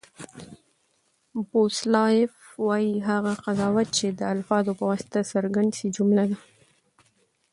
بوسلایف وایي، هغه قضاوت، چي د الفاظو په واسطه څرګند سي؛ جمله ده.